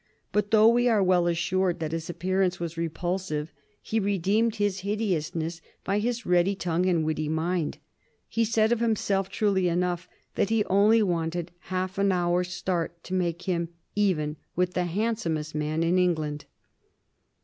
But though we are well assured that his appearance was repulsive, he redeemed his hideousness by his ready tongue and witty mind. He said of himself, truly enough, that he only wanted half an hour's start to make him even with the handsomest man in England.